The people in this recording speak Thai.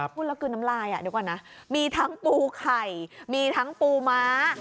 พูดแล้วกลืนน้ำลายเดี๋ยวก่อนนะมีทั้งปูไข่มีทั้งปูม้า